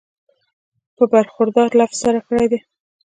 پۀ برخوردار لفظ سره کړی دی